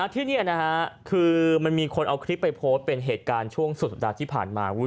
ที่นี่คือมันมีคนเอาคลิปไปโพสต์เป็นเหตุการณ์ช่วงสุดสัปดาห์ที่ผ่านมา